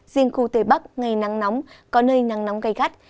riêng khu tây bắc ngày nắng nóng có nơi nắng nóng gai gắt